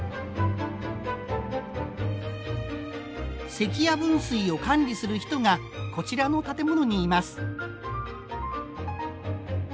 関屋分水を管理する人がこちらの建物にいます。